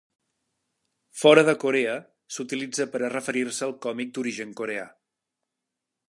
Fora de Corea s'utilitza per a referir-se al còmic d'origen coreà.